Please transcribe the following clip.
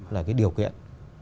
là cái điều kiện